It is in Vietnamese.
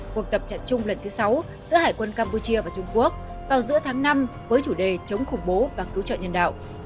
cuộc tập trận chung lần thứ sáu giữa hải quân campuchia và trung quốc vào giữa tháng năm với chủ đề chống khủng bố và cứu trợ nhân đạo